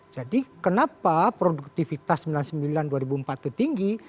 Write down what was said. jadi kenapa produktivitas sembilan puluh sembilan dua ribu dua puluh empat itu tinggi